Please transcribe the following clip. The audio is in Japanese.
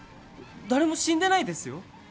誰も死んでないですよ